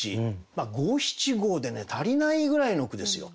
五七五で足りないぐらいの句ですよ。